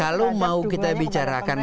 kalau mau kita bicarakan